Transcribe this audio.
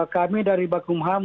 kami dari bakum ham